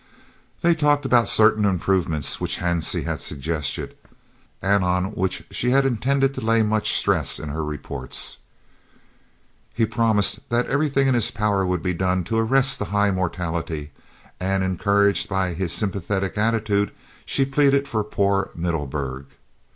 They talked about certain improvements which Hansie had suggested, and on which she had intended to lay much stress in her reports. He promised that everything in his power would be done to arrest the high mortality, and, encouraged by his sympathetic attitude, she pleaded for "poor Middelburg."